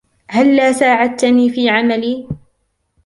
هلّا ساعدتني في عملي ؟